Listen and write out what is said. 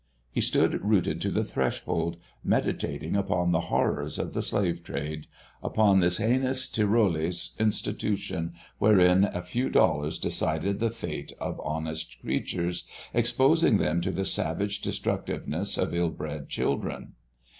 He stood rooted to the threshold, meditating upon the horrors of the slave trade, upon this heinous Tyrolese institution wherein a few dollars decided the fate of honest creatures, exposing them to the savage destructiveness of ill bred children.